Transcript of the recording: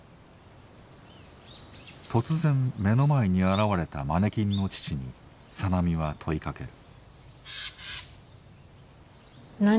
突然目の前に現れたマネキンの父に小波は問いかける。